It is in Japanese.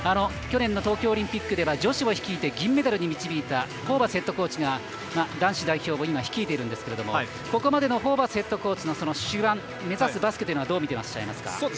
去年の東京オリンピックでは女子を率いて銀メダルに導いたホーバスヘッドコーチが男子代表を今、率いているんですけどもここまでのホーバスヘッドコーチの手腕目指すバスケというのはどう見てらっしゃいますか？